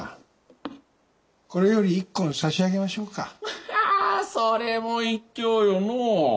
アハそれも一興よのう。